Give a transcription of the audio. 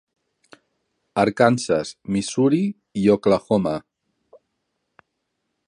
Arkansas, Missouri i Oklahoma.